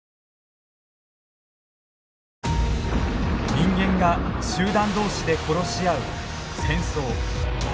人間が集団同士で殺し合う戦争。